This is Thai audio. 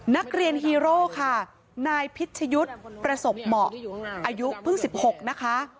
นักเรียนฮีโร่ค่ะนายพิชยุทธ์ประสบเหมาะอายุเพิ่ง๑๖นะคะ